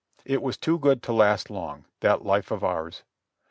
It was too good to last long, that life of ours.